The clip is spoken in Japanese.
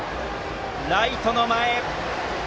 ライトの前。